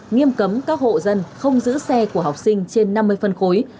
nghiêm cấm các hộ dân không giữ xe của học sinh trên năm mươi phân khối